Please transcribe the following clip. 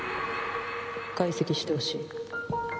解析してほしい。